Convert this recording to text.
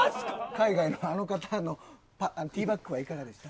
海外のあの方のＴバックはいかがでした？